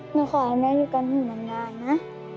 หนูขอให้แม่อยู่กันอยู่นานนะ